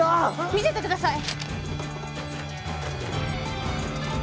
見せてください！